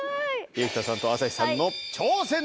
生田さんと朝日さんの挑戦です。